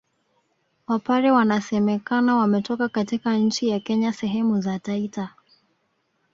Wapare wanasemekana wametoka katika nchi ya Kenya sehemu za Taita